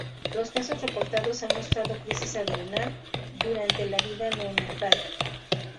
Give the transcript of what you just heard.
Los casos reportados han mostrado crisis adrenal durante la vida neonatal.